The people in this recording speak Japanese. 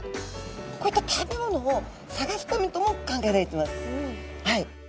こういった食べ物を探すためとも考えられてます。